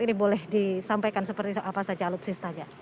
ini boleh disampaikan seperti apa saja alutsistanya